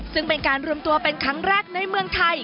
ซึ่งเป็นการรวมตัวเป็นครั้งแรกในเมืองไทย